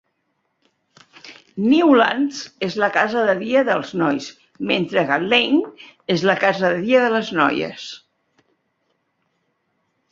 Newlands és la casa de dia dels nois, mentre que Laing és la casa de dia de les noies.